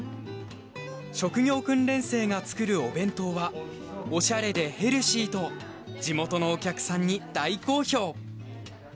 職業訓練生が作るお弁当はオシャレでヘルシーと地元のお客さんに大好評！